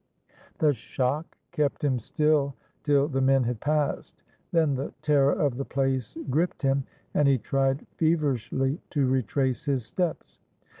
The shock kept him still till the men had passed. Then the terror of the place gripped him and he tried fever ishly to retrace his steps.